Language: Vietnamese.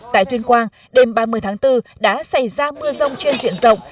tại thuyên quang đêm ba mươi tháng bốn đã xảy ra mưa dông trên diện rộng